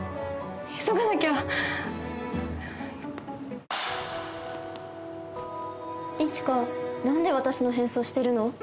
急がなきゃ一花なんで私の変装してるの？